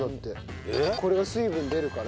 これが水分出るから。